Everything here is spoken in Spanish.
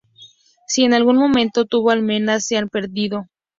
Si en algún momento tuvo almenas, se han perdido.